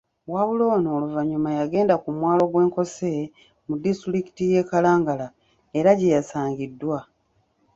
Wabula ono oluvanyuma yagenda ku mwalo gw'e Nkose, mu disitulikiti y'e Kalangala era gye yasangiddwa.